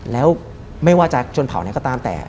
แล้วไม่ว่าจะชนเผาไหนก็ตามแต่